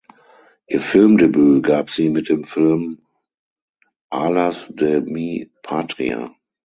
Ihr Filmdebüt gab sie mit dem Film "Alas de mi patria".